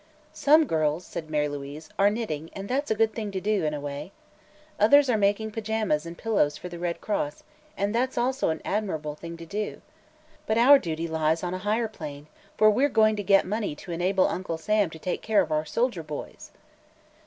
"Some girls," said Mary Louise, "are knitting, and that's a good thing to do, in a way. Others are making pajamas and pillows for the Red Cross, and that's also an admirable thing to do. But our duty lies on a higher plane, for we're going to get money to enable Uncle Sam to take care of our soldier boys."